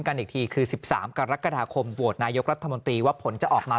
กันอีกทีคือ๑๓กรกฎาคมโหวตนายกรัฐมนตรีว่าผลจะออกมา